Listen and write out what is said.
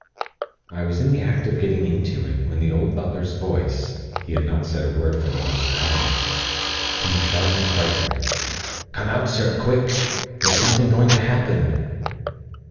I was in the act of getting into it, when the old butler's voice (he had not said a word for the last hour) came sharp and frightened: 'Come out, sir, quick! There's something going to happen!'